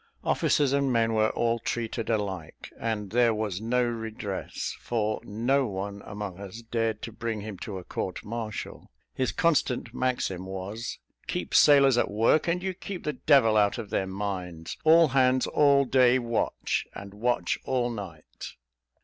Officers and men were all treated alike, and there was no redress, for no one among us dared to bring him to a court martial. His constant maxim was "Keep sailors at work, and you keep the devil out of their minds all hands all day watch, and watch all night."